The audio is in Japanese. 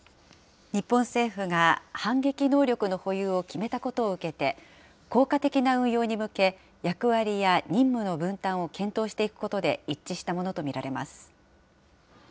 日本政府が反撃能力の保有を決めたことを受けて、効果的な運用に向け、役割や任務の分担を検討していくことで一致したものと見られます。